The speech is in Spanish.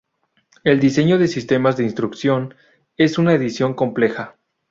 El diseño de sistemas de instrucción es una edición compleja.